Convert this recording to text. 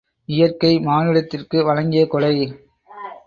இயற்கை, மானுடத்திற்கு வழங்கிய கொடை.